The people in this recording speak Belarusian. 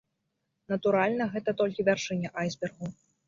Натуральна, гэта толькі вяршыня айсбергу.